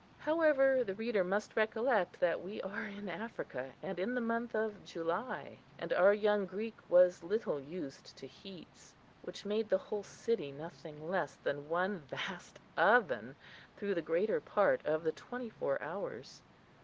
However, the reader must recollect that we are in Africa, in the month of July, and our young Greek was little used to heats, which made the whole city nothing less than one vast oven through the greater part of the twenty four hours.